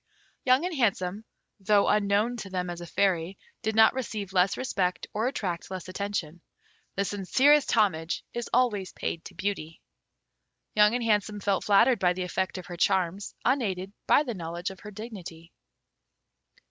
Young and Handsome, though unknown to them as a Fairy, did not receive less respect or attract less attention. The sincerest homage is always paid to beauty. Young and Handsome felt flattered by the effect of her charms unaided by the knowledge of her dignity.